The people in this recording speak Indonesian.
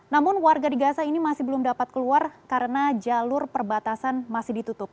namun warga di gaza ini masih belum dapat keluar karena jalur perbatasan masih ditutup